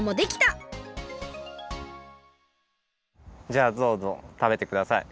じゃあどうぞたべてください。